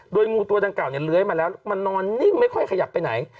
โดยงูตัวดังกล่าเนี่ยเลื้อยมาแล้วมันนอนนิ่งไม่ค่อยขยับไปไหน